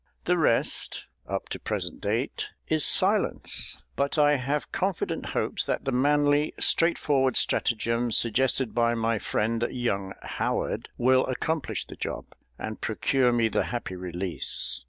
The rest (up to present date) is silence; but I have confident hopes that the manly, straightforward stratagem suggested by my friend, young HOWARD, will accomplish the job, and procure me the happy release.